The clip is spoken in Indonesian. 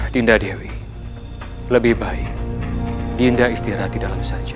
dinda dewi lebih baik dinda istirahat di dalam saji